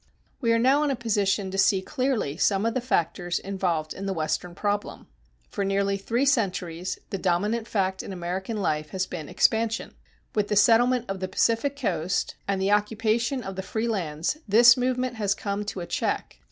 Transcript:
We are now in a position to see clearly some of the factors involved in the Western problem. For nearly three centuries the dominant fact in American life has been expansion. With the settlement of the Pacific coast and the occupation of the free lands, this movement has come to a check.